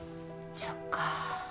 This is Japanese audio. そっか。